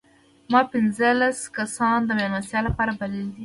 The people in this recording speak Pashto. ما پنځلس کسان د مېلمستیا لپاره بللي دي.